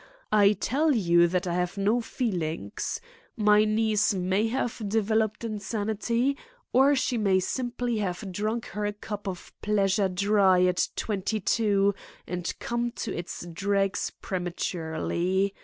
I tell you that I have no feelings. My niece may have developed insanity or she may simply have drunk her cup of pleasure dry at twenty two and come to its dregs prematurely.